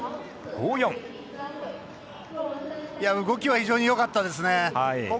動きは非常によかったですね。